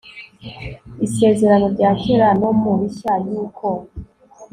isezerano rya kera no mu rishya yuko